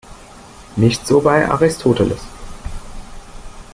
Nicht so bei Aristoteles.